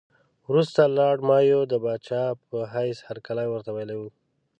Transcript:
وروسته لارډ مایو د پاچا په حیث هرکلی ورته ویلی وو.